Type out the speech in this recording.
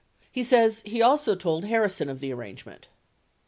He says he also told Harrison of the arrangement.